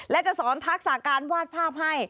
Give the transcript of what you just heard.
และจะสอนทักษะการวาดภาพให้